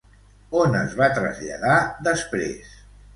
On es va traslladar després?